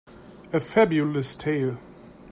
A Fabulous tale